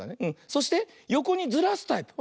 そしてよこにずらすタイプ。